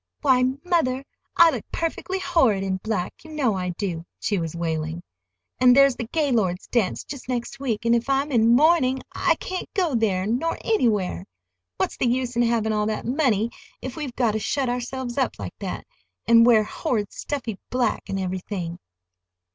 "Why, mother, I look perfectly horrid in black, you know I do," she was wailing. "And there's the Gaylords' dance just next week; and if I'm in mourning I can't go there, nor anywhere. What's the use in having all that money if we've got to shut ourselves up like that, and wear horrid stuffy black, and everything?"